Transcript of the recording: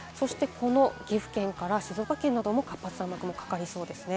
岐阜県から静岡県なども活発な雨雲かかりそうです。